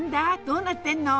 どうなってんの？